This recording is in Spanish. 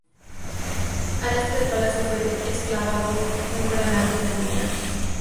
Al este del palacio fue excavado un gran lago ceremonial.